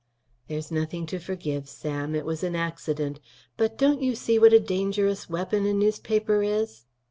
"There's nothing to forgive, Sam. It was an accident. But don't you see what a dangerous weapon a newspaper is?'